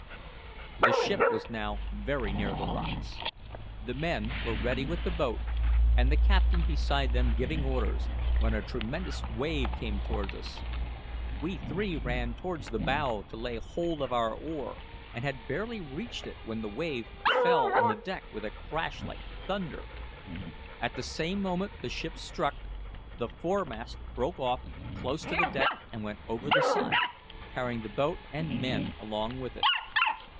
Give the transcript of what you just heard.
The ship was now very near the rocks. The men were ready with the boat, and the captain beside them giving orders, when a tremendous wave came towards us. We three ran towards the bow to lay hold of our oar, and had barely reached it when the wave fell on the deck with a crash like thunder. At the same moment the ship struck; the foremast broke off close to the deck and went over the side, carrying the boat and men along with it.